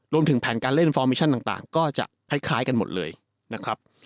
รวมถึงแผนการเล่นฟอร์มิชั่นต่างก็จะคล้ายกันหมดเลยนะครับ